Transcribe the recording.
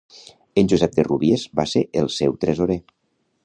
En Josep de Rúbies va ser el seu tresorer.